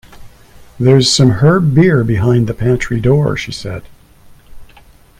“There’s some herb beer behind the pantry door,” she said.